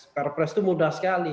perpres itu mudah sekali